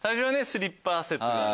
スリッパ説がね。